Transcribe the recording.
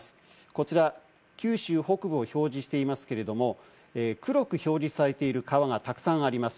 こちら九州北部を表示していますけれども、黒く表示されている川がたくさんあります。